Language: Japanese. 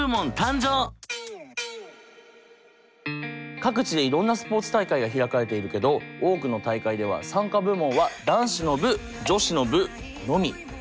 各地でいろんなスポーツ大会が開かれているけど多くの大会では参加部門は男子の部女子の部のみ。